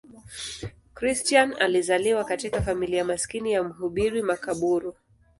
Christian alizaliwa katika familia maskini ya mhubiri makaburu.